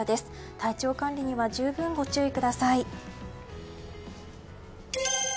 体調管理には十分ご注意ください。